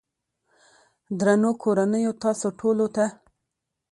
درنو کورنيو تاسو ټولو ته